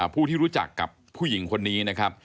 ผู้ที่รู้จักกับผู้หญิงคนนี้